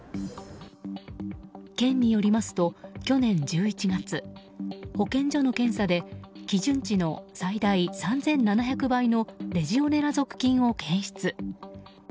県によりますと去年１１月保健所の検査で基準値の最大３７００倍のレジオネラ属菌を検出。